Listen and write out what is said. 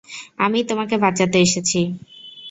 আমিই তোমাকে বাঁচাতে এসেছি।